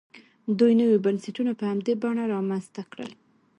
دوی نوي بنسټونه په همدې بڼه رامنځته کړل.